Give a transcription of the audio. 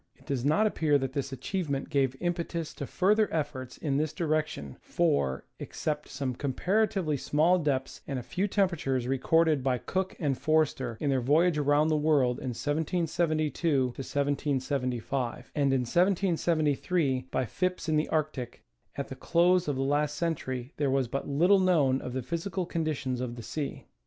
It does not appear that this achievement gave impetus to further efforts in this direction, for, except some comparatively small depths and a few temperatures recorded by Cook and Forster in their voyage around the world in 1772 75, and in 1773 by Phipps in the Arctic, at the close of the last century there was but little known of the physical conditions of the sea.